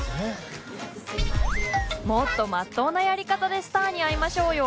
もっとまっとうなやり方でスターに会いましょうよ。